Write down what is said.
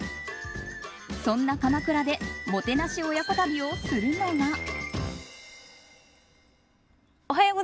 そんな鎌倉でもてなし親子旅をするのが。